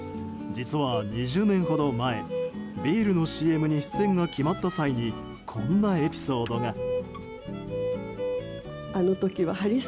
実は２０年ほど前ビールのＣＭに出演が決まった際にこんなエピソードが。